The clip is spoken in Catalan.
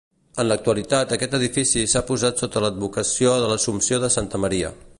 En l'actualitat aquest edifici s'ha posat sota l'advocació de l'Assumpció de santa Maria.